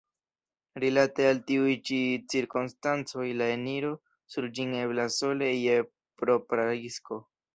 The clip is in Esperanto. Rilate al tiuj ĉi cirkonstancoj la eniro sur ĝin eblas sole je propra risko.